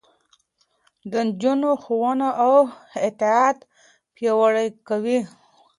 د نجونو ښوونه اعتماد پياوړی کوي.